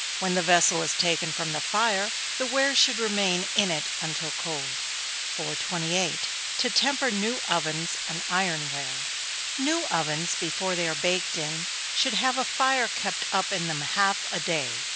When the vessel is taken from the fire, the ware should remain in until cold. 428. To temper New Ovens and Iron ware. New ovens, before they are baked in, should have a fire kept up in them half a day.